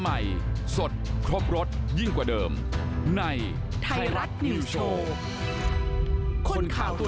ใหม่สดครบรสยิ่งกว่าเดิมในไทยรัฐนิวโชว์คนข่าวตัว